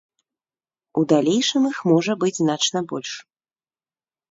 У далейшым іх можа быць значна больш.